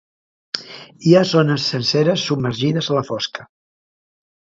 Hi ha zones senceres submergides a la fosca.